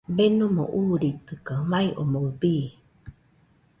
Denomo uuritɨkaɨ, mai omoɨ bii.